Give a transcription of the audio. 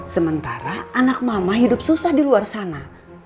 sementara anak mama hidup susah di luar sana